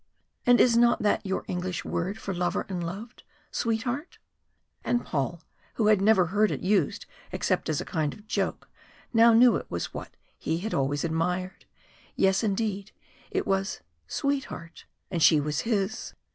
And is not that your English word for lover and loved 'sweetheart'?" And Paul, who had never even heard it used except in a kind of joke, now knew it was what he had always admired. Yes, indeed, it was "sweetheart" and she was his!